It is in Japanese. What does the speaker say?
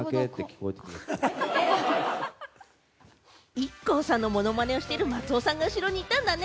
ＩＫＫＯさんのものまねをしている松尾さんが後ろにいたんだね。